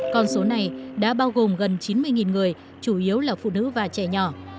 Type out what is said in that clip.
con số này đã bao gồm gần chín mươi người chủ yếu là phụ nữ và trẻ nhỏ